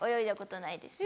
ないですね。